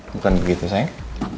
bukan begitu sayang